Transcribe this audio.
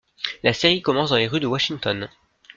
La série commence dans les rues de Washington.